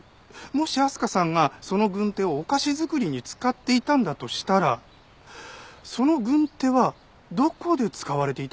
もし明日香さんがその軍手をお菓子作りに使っていたんだとしたらその軍手はどこで使われていたんでしょう？